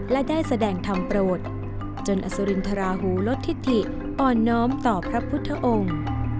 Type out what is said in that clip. และได้แสดงธรรมโปรดจนอสุรินทราหูลดทิศถิอ่อนน้อมต่อพระพุทธองค์